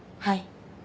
はい。